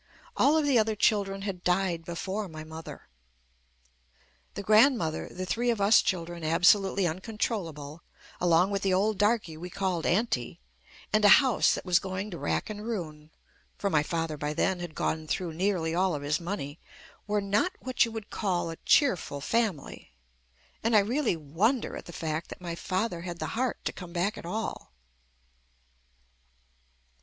All of the other children had died before my mother. The grandmother, the three of us children absolutely uncontrol lable, along with the old darkey we called Aunty, and a house that was going to rack and ruin (for my father by then had gone through nearly all of his money) were not what you w r ould call a cheerful family, and I really won der at the fact that my father had the heart to come back at all.